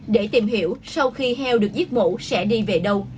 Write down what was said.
để tìm hiểu sau khi heo được giết mổ sẽ đi về đâu